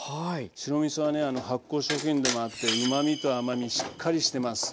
白みそはね発酵食品でもあってうまみと甘みしっかりしてます。